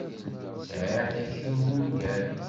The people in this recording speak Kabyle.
Sɛiɣ takti i wungal.